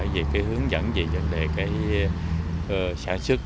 về hướng dẫn về vấn đề sản xuất